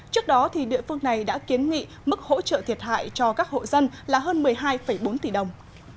trước đó địa phương này đã kiến nghị mức hỗ trợ thiệt hại cho các hộ dân là hơn một mươi hai bốn tỷ đồng